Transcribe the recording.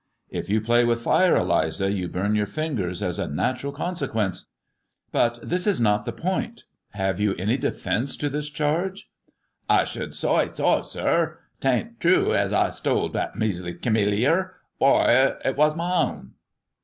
" K you play with fire, Eliza, you burn your fingers as a natural consequence. But this is not the point. Have you any defence to this charge 1 " "I should soigh so, sir. 'Tain't trew es I stole thet measly kemmelliar. Whoy, it was my own."